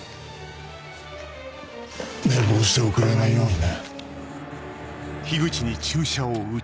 寝坊して遅れないようにね。